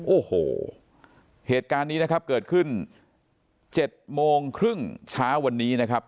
โอ้โหเหตุการณ์นี้นะครับเกิดขึ้น๗โมงครึ่งเช้าวันนี้นะครับ